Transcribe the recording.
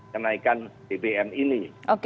kenaikan bbm ini